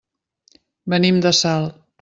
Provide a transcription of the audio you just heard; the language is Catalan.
Venim de Salt.